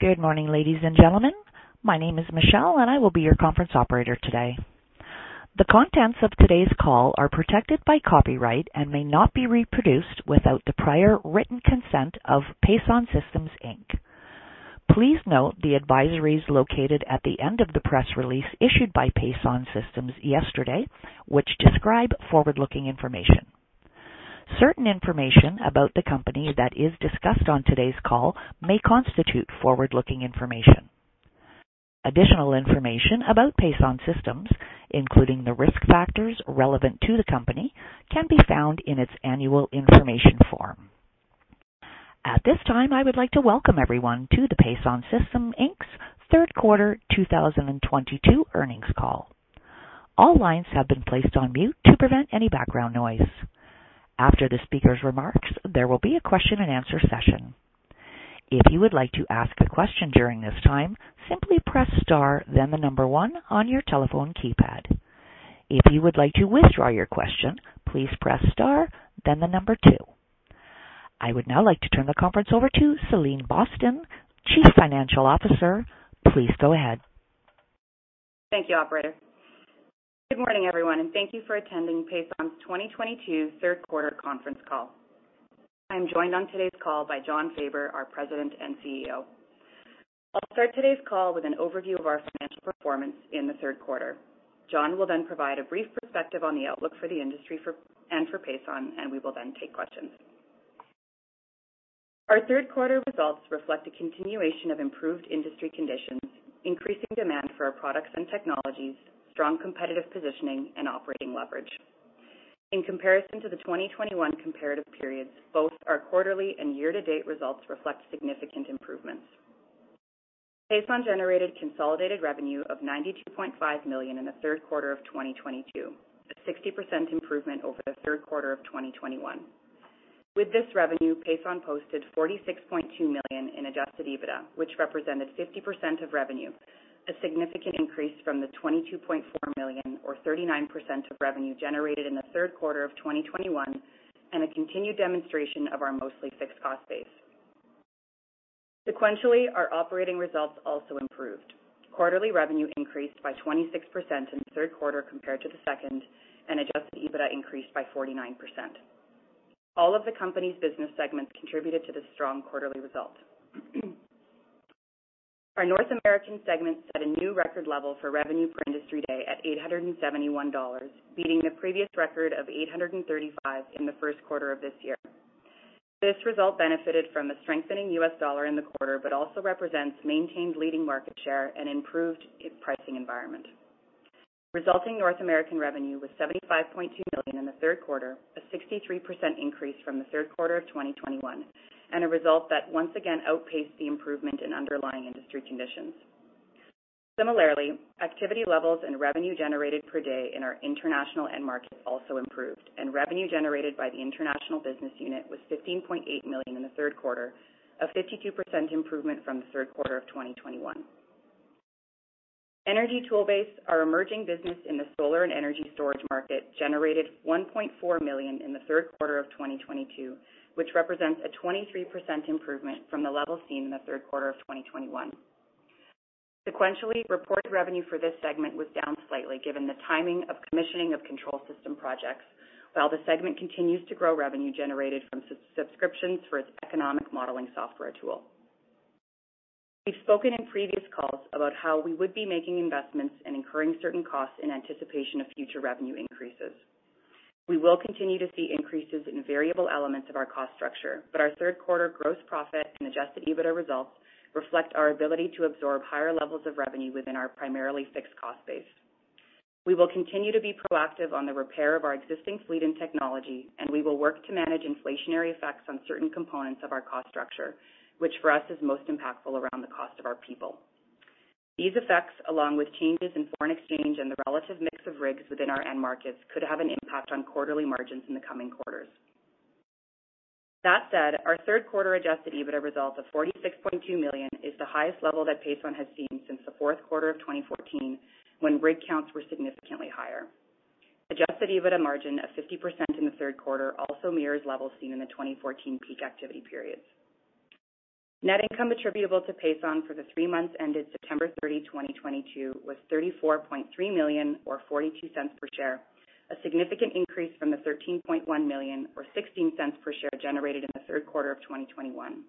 Good morning, ladies and gentlemen. My name is Michelle, and I will be your conference operator today. The contents of today's call are protected by copyright and may not be reproduced without the prior written consent of Pason Systems Inc. Please note the advisories located at the end of the press release issued by Pason Systems yesterday, which describe forward-looking information. Certain information about the company that is discussed on today's call may constitute forward-looking information. Additional information about Pason Systems, including the risk factors relevant to the company, can be found in its annual information form. At this time, I would like to welcome everyone to the Pason Systems Inc.'s third quarter 2022 earnings call. All lines have been placed on mute to prevent any background noise. After the speaker's remarks, there will be a question-and-answer session. If you would like to ask a question during this time, simply press star then the number one on your telephone keypad. If you would like to withdraw your question, please press star then the number two. I would now like to turn the conference over to Celine Boston, Chief Financial Officer. Please go ahead. Thank you, operator. Good morning, everyone, and thank you for attending Pason's 2022 third quarter conference call. I'm joined on today's call by Jon Faber, our President and CEO. I'll start today's call with an overview of our financial performance in the third quarter. Jon will then provide a brief perspective on the outlook for the industry and for Pason, and we will then take questions. Our third quarter results reflect a continuation of improved industry conditions, increasing demand for our products and technologies, strong competitive positioning and operating leverage. In comparison to the 2021 comparative periods, both our quarterly and year-to-date results reflect significant improvements. Pason generated consolidated revenue of 92.5 million in the third quarter of 2022, a 60% improvement over the third quarter of 2021. With this revenue, Pason posted 46.2 million in Adjusted EBITDA, which represented 50% of revenue, a significant increase from the 22.4 million or 39% of revenue generated in the third quarter of 2021 and a continued demonstration of our mostly fixed cost base. Sequentially, our operating results also improved. Quarterly revenue increased by 26% in the third quarter compared to the second, and Adjusted EBITDA increased by 49%. All of the company's business segments contributed to the strong quarterly result. Our North American segment set a new record level for Revenue per Industry Day at 871 dollars, beating the previous record of 835 in the first quarter of this year. This result benefited from the strengthening U.S. dollar in the quarter, but also represents maintained leading market share and improved pricing environment. Resulting North American revenue was 75.2 million in the third quarter, a 63% increase from the third quarter of 2021, and a result that once again outpaced the improvement in underlying industry conditions. Similarly, activity levels and revenue generated per day in our international end market also improved, and revenue generated by the international business unit was 15.8 million in the third quarter, a 52% improvement from the third quarter of 2021. Energy Toolbase, our emerging business in the solar and energy storage market, generated 1.4 million in the third quarter of 2022, which represents a 23% improvement from the level seen in the third quarter of 2021. Sequentially, reported revenue for this segment was down slightly given the timing of commissioning of control system projects, while the segment continues to grow revenue generated from SaaS subscriptions for its economic modeling software tool. We've spoken in previous calls about how we would be making investments and incurring certain costs in anticipation of future revenue increases. We will continue to see increases in variable elements of our cost structure, but our third quarter gross profit and Adjusted EBITDA results reflect our ability to absorb higher levels of revenue within our primarily fixed cost base. We will continue to be proactive on the repair of our existing fleet and technology, and we will work to manage inflationary effects on certain components of our cost structure, which for us is most impactful around the cost of our people. These effects, along with changes in foreign exchange and the relative mix of rigs within our end markets, could have an impact on quarterly margins in the coming quarters. That said, our third quarter Adjusted EBITDA result of 46.2 million is the highest level that Pason has seen since the fourth quarter of 2014 when rig counts were significantly higher. Adjusted EBITDA margin of 50% in the third quarter also mirrors levels seen in the 2014 peak activity periods. Net income attributable to Pason for the three months ended September 30th, 2022 was 34.3 million or 0.42 per share, a significant increase from the 13.1 million or 0.16 per share generated in the third quarter of 2021.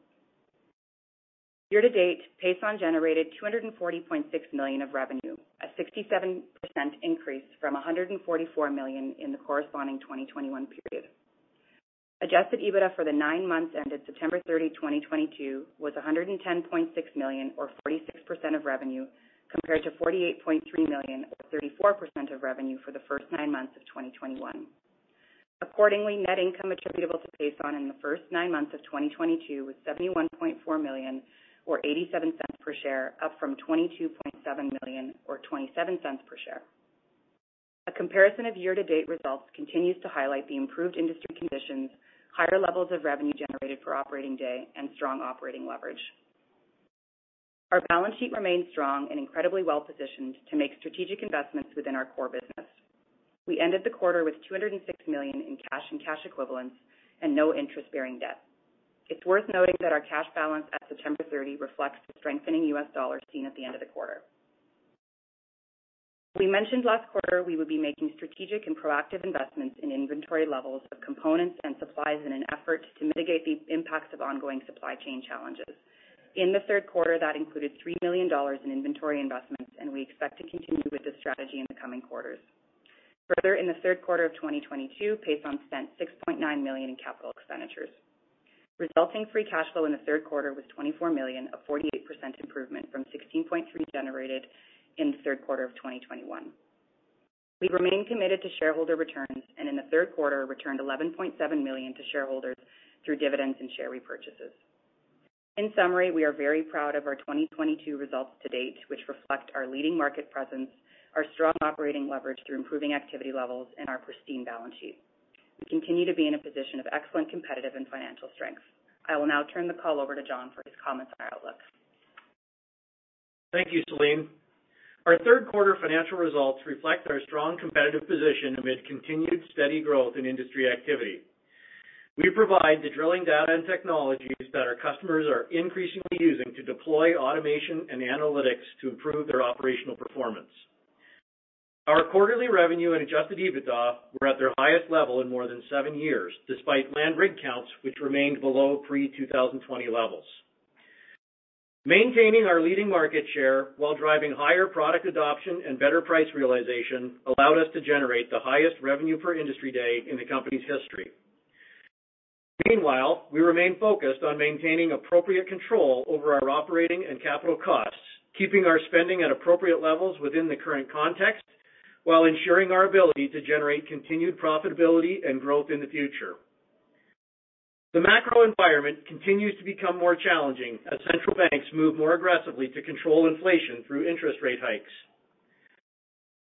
Year-to-date, Pason generated 240.6 million of revenue, a 67% increase from 144 million in the corresponding 2021 period. Adjusted EBITDA for the nine months ended September 30th, 2022 was 110.6 million or 46% of revenue, compared to 48.3 million or 34% of revenue for the first nine months of 2021. Accordingly, net income attributable to Pason in the first nine months of 2022 was 71.4 million or 0.87 per share, up from 22.7 million or 0.27 per share. A comparison of year-to-date results continues to highlight the improved industry conditions, higher levels of revenue generated per operating day, and strong operating leverage. Our balance sheet remains strong and incredibly well positioned to make strategic investments within our core business. We ended the quarter with 206 million in cash and cash equivalents and no interest-bearing debt. It's worth noting that our cash balance at September 30th reflects the strengthening U.S. dollar seen at the end of the quarter. We mentioned last quarter we would be making strategic and proactive investments in inventory levels of components and supplies in an effort to mitigate the impacts of ongoing supply chain challenges. In the third quarter, that included 3 million dollars in inventory investments, and we expect to continue with this strategy in the coming quarters. Further, in the third quarter of 2022, Pason spent 6.9 million in capital expenditures. Resulting free cash flow in the third quarter was 24 million, a 48% improvement from 16.3 million generated in the third quarter of 2021. We remain committed to shareholder returns and in the third quarter returned 11.7 million to shareholders through dividends and share repurchases. In summary, we are very proud of our 2022 results to date, which reflect our leading market presence, our strong operating leverage through improving activity levels and our pristine balance sheet. We continue to be in a position of excellent competitive and financial strength. I will now turn the call over to Jon for his comments and outlook. Thank you, Celine. Our third quarter financial results reflect our strong competitive position amid continued steady growth in industry activity. We provide the drilling data and technologies that our customers are increasingly using to deploy automation and analytics to improve their operational performance. Our quarterly revenue and Adjusted EBITDA were at their highest level in more than seven years, despite land rig counts, which remained below pre-2020 levels. Maintaining our leading market share while driving higher product adoption and better price realization allowed us to generate the highest Revenue per Industry Day in the company's history. Meanwhile, we remain focused on maintaining appropriate control over our operating and capital costs, keeping our spending at appropriate levels within the current context, while ensuring our ability to generate continued profitability and growth in the future. The macro environment continues to become more challenging as central banks move more aggressively to control inflation through interest rate hikes.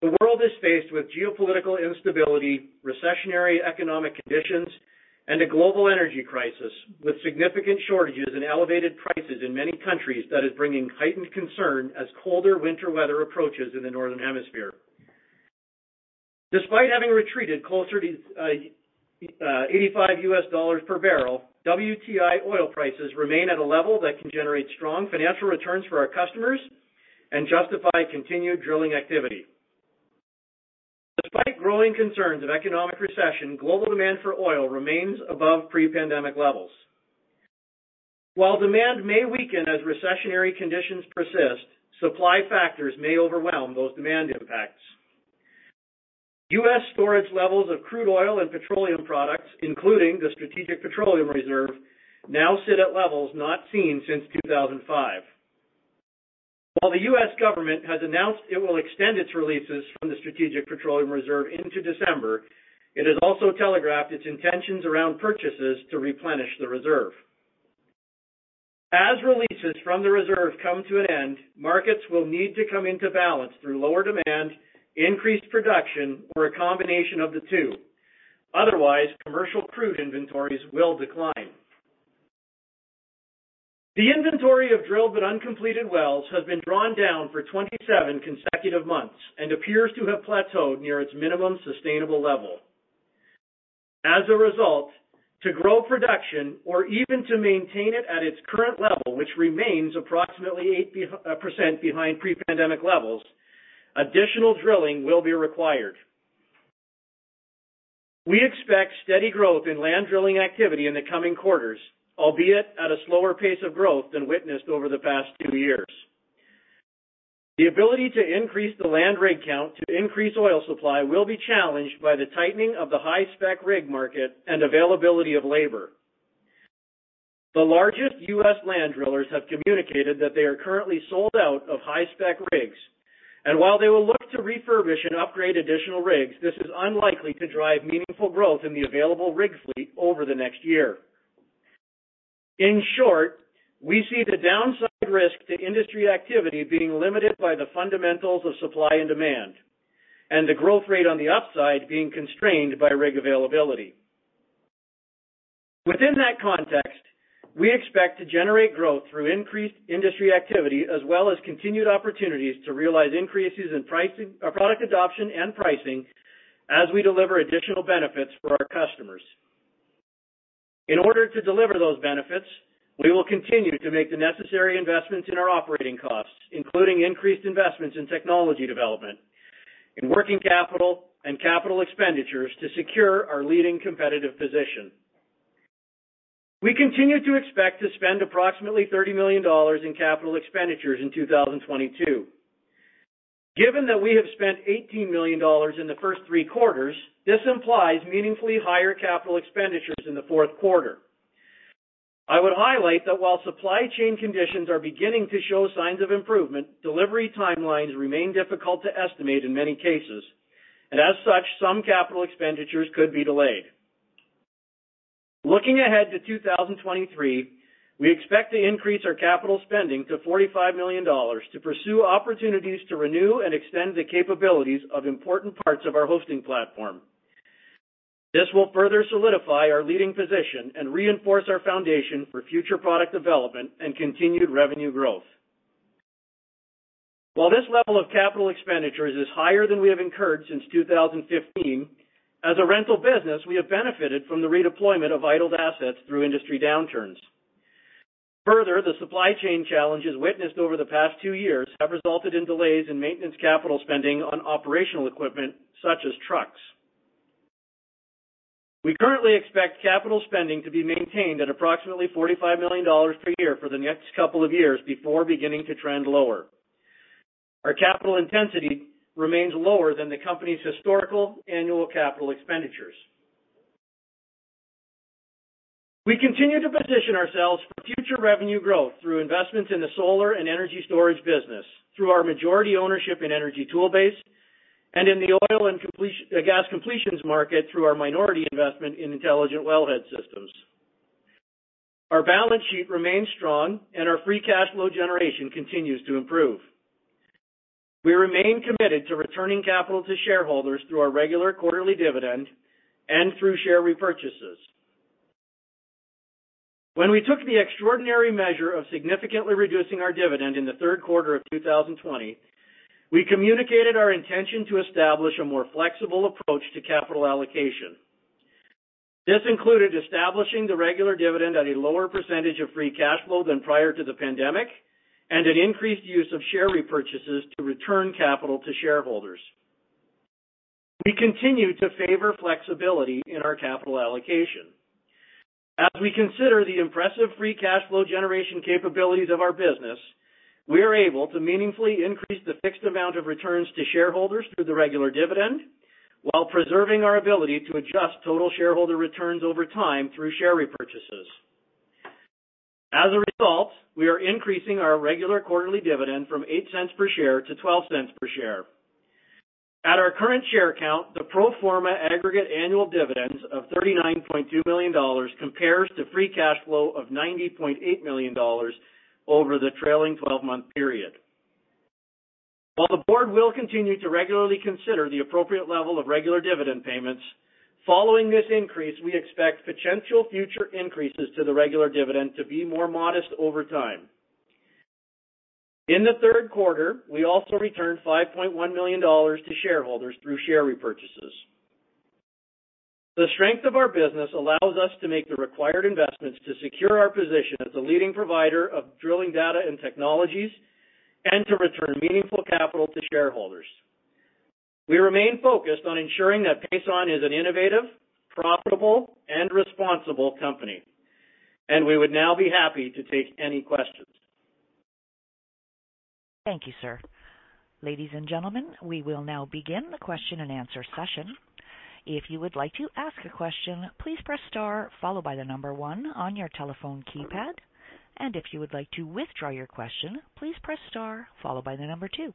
The world is faced with geopolitical instability, recessionary economic conditions, and a global energy crisis with significant shortages and elevated prices in many countries that is bringing heightened concern as colder winter weather approaches in the northern hemisphere. Despite having retreated closer to $85 per barrel, WTI oil prices remain at a level that can generate strong financial returns for our customers and justify continued drilling activity. Despite growing concerns of economic recession, global demand for oil remains above pre-pandemic levels. While demand may weaken as recessionary conditions persist, supply factors may overwhelm those demand impacts. U.S. storage levels of crude oil and petroleum products, including the Strategic Petroleum Reserve, now sit at levels not seen since 2005. While the U.S. government has announced it will extend its releases from the Strategic Petroleum Reserve into December, it has also telegraphed its intentions around purchases to replenish the reserve. As releases from the reserve come to an end, markets will need to come into balance through lower demand, increased production, or a combination of the two. Otherwise, commercial crude inventories will decline. The inventory of drilled but uncompleted wells has been drawn down for 27 consecutive months and appears to have plateaued near its minimum sustainable level. As a result, to grow production or even to maintain it at its current level, which remains approximately 8% behind pre-pandemic levels, additional drilling will be required. We expect steady growth in land drilling activity in the coming quarters, albeit at a slower pace of growth than witnessed over the past two years. The ability to increase the land rig count to increase oil supply will be challenged by the tightening of the high-spec rig market and availability of labor. The largest U.S. land drillers have communicated that they are currently sold out of high-spec rigs, and while they will look to refurbish and upgrade additional rigs, this is unlikely to drive meaningful growth in the available rig fleet over the next year. In short, we see the downside risk to industry activity being limited by the fundamentals of supply and demand, and the growth rate on the upside being constrained by rig availability. Within that context, we expect to generate growth through increased industry activity as well as continued opportunities to realize increases in pricing, product adoption and pricing as we deliver additional benefits for our customers. In order to deliver those benefits, we will continue to make the necessary investments in our operating costs, including increased investments in technology development, in working capital and capital expenditures to secure our leading competitive position. We continue to expect to spend approximately 30 million dollars in capital expenditures in 2022. Given that we have spent 18 million dollars in the first three quarters, this implies meaningfully higher capital expenditures in the fourth quarter. I would highlight that while supply chain conditions are beginning to show signs of improvement, delivery timelines remain difficult to estimate in many cases, and as such, some capital expenditures could be delayed. Looking ahead to 2023, we expect to increase our capital spending to 45 million dollars to pursue opportunities to renew and extend the capabilities of important parts of our hosting platform. This will further solidify our leading position and reinforce our foundation for future product development and continued revenue growth. While this level of capital expenditures is higher than we have incurred since 2015, as a rental business, we have benefited from the redeployment of idled assets through industry downturns. Further, the supply chain challenges witnessed over the past two years have resulted in delays in maintenance capital spending on operational equipment such as trucks. We currently expect capital spending to be maintained at approximately 45 million dollars per year for the next couple of years before beginning to trend lower. Our capital intensity remains lower than the company's historical annual capital expenditures. We continue to position ourselves for future revenue growth through investments in the solar and energy storage business through our majority ownership in Energy Toolbase and in the oil and gas completions market through our minority investment in Intelligent Wellhead Systems. Our balance sheet remains strong and our free cash flow generation continues to improve. We remain committed to returning capital to shareholders through our regular quarterly dividend and through share repurchases. When we took the extraordinary measure of significantly reducing our dividend in the third quarter of 2020, we communicated our intention to establish a more flexible approach to capital allocation. This included establishing the regular dividend at a lower percentage of free cash flow than prior to the pandemic and an increased use of share repurchases to return capital to shareholders. We continue to favor flexibility in our capital allocation. As we consider the impressive Free Cash Flow generation capabilities of our business, we are able to meaningfully increase the fixed amount of returns to shareholders through the regular dividend while preserving our ability to adjust total shareholder returns over time through share repurchases. As a result, we are increasing our regular quarterly dividend from 0.08 per share to 0.12 per share. At our current share count, the pro forma aggregate annual dividends of 39.2 million dollars compares to Free Cash Flow of 90.8 million dollars over the trailing 12-month period. While the board will continue to regularly consider the appropriate level of regular dividend payments, following this increase, we expect potential future increases to the regular dividend to be more modest over time. In the third quarter, we also returned 5.1 million dollars to shareholders through share repurchases. The strength of our business allows us to make the required investments to secure our position as a leading provider of drilling data and technologies and to return meaningful capital to shareholders. We remain focused on ensuring that Pason is an innovative, profitable and responsible company. We would now be happy to take any questions. Thank you, sir. Ladies and gentlemen, we will now begin the question-and-answer session. If you would like to ask a question, please press star followed by the number one on your telephone keypad. If you would like to withdraw your question, please press star followed by the number two.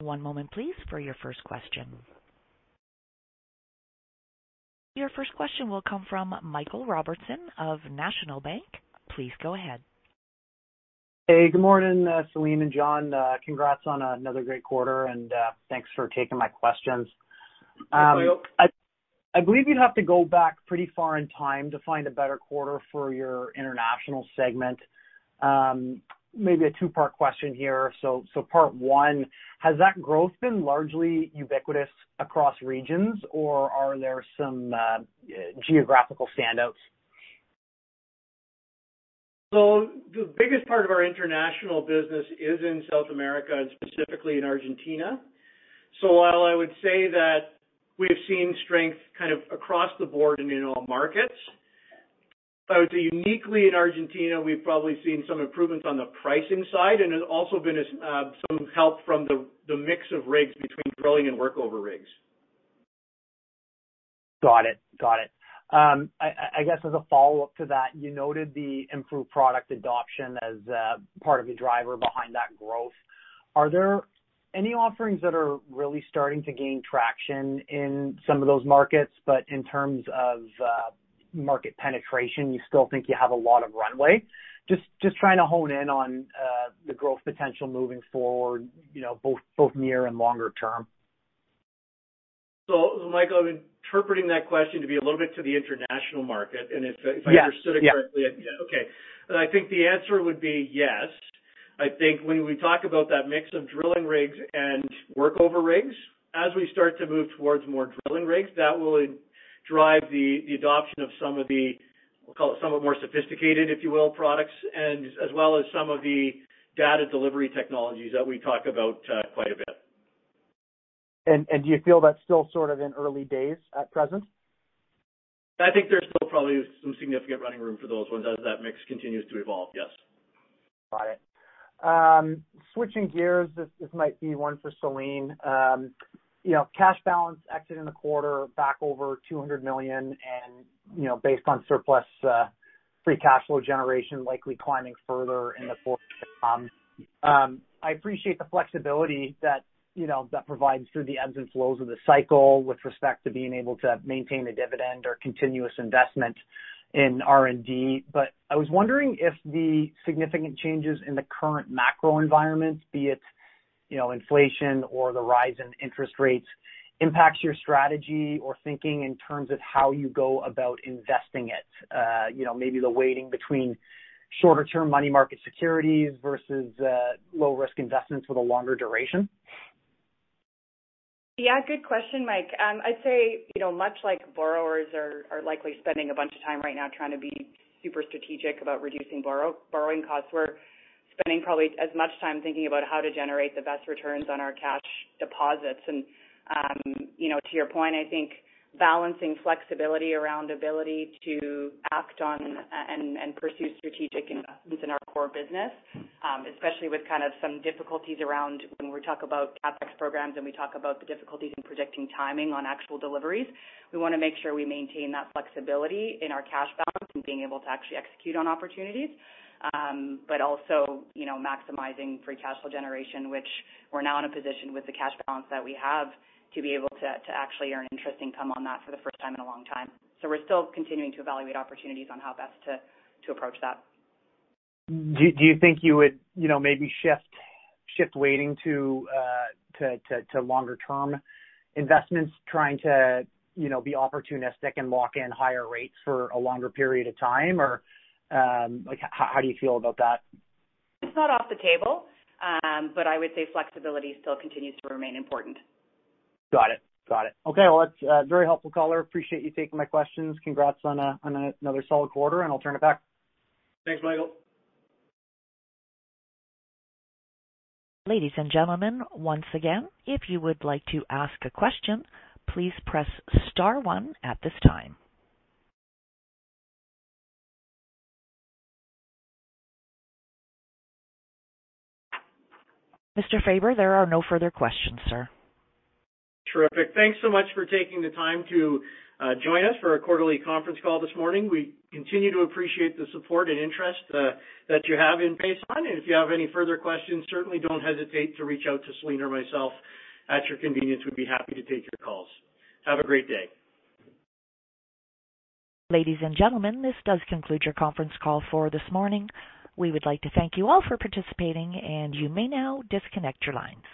One moment please, for your first question. Your first question will come from Michael Robertson of National Bank of Canada. Please go ahead. Hey, good morning, Celine and Jon. Congrats on another great quarter and thanks for taking my questions. I believe you'd have to go back pretty far in time to find a better quarter for your international segment. Maybe a two-part question here. Part one, has that growth been largely ubiquitous across regions or are there some geographical standouts? The biggest part of our international business is in South America and specifically in Argentina. While I would say that we have seen strength kind of across the board and in all markets, I would say uniquely in Argentina, we've probably seen some improvements on the pricing side, and there's also been some help from the mix of rigs between drilling and workover rigs. Got it. I guess as a follow-up to that, you noted the improved product adoption as part of the driver behind that growth. Are there any offerings that are really starting to gain traction in some of those markets, but in terms of market penetration, you still think you have a lot of runway? Just trying to hone in on the growth potential moving forward, you know, both near and longer term. Michael, I'm interpreting that question to be a little bit to the international market, and if I understood it correctly. Yes. Yeah. Okay. I think the answer would be yes. I think when we talk about that mix of drilling rigs and workover rigs, as we start to move towards more drilling rigs, that will drive the adoption of some of the, we'll call it, some of the more sophisticated, if you will, products and as well as some of the data delivery technologies that we talk about quite a bit. Do you feel that's still sort of in early days at present? I think there's still probably some significant running room for those ones as that mix continues to evolve. Yes. Got it. Switching gears, this might be one for Celine. You know, cash balance exited in the quarter back over 200 million and, you know, based on surplus, free cash flow generation likely climbing further in the quarter to come. I appreciate the flexibility that, you know, that provides through the ebbs and flows of the cycle with respect to being able to maintain a dividend or continuous investment in R&D. I was wondering if the significant changes in the current macro environment, be it, you know, inflation or the rise in interest rates, impacts your strategy or thinking in terms of how you go about investing it. You know, maybe the weighting between shorter-term money market securities versus low-risk investments with a longer duration. Yeah, good question, Mike. I'd say, you know, much like borrowers are likely spending a bunch of time right now trying to be super strategic about reducing borrowing costs, we're spending probably as much time thinking about how to generate the best returns on our cash deposits. You know, to your point, I think balancing flexibility around ability to act on and pursue strategic investments in our core business, especially with kind of some difficulties around when we talk about CapEx programs and we talk about the difficulties in predicting timing on actual deliveries. We wanna make sure we maintain that flexibility in our cash balance and being able to actually execute on opportunities. Also, you know, maximizing Free Cash Flow generation, which we're now in a position with the cash balance that we have to be able to actually earn interest income on that for the first time in a long time. We're still continuing to evaluate opportunities on how best to approach that. Do you think you would, you know, maybe shift weighting to longer-term investments trying to, you know, be opportunistic and lock in higher rates for a longer period of time? Or, like, how do you feel about that? It's not off the table, but I would say flexibility still continues to remain important. Got it. Okay, well, that's very helpful, caller. Appreciate you taking my questions. Congrats on another solid quarter, and I'll turn it back. Thanks, Michael. Ladies and gentlemen, once again, if you would like to ask a question, please press star one at this time. Mr. Faber, there are no further questions, sir. Terrific. Thanks so much for taking the time to join us for our quarterly conference call this morning. We continue to appreciate the support and interest that you have in Pason. If you have any further questions, certainly don't hesitate to reach out to Celine or myself at your convenience. We'd be happy to take your calls. Have a great day. Ladies and gentlemen, this does conclude your conference call for this morning. We would like to thank you all for participating, and you may now disconnect your lines.